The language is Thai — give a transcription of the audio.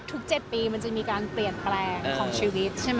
๗ปีมันจะมีการเปลี่ยนแปลงของชีวิตใช่ไหม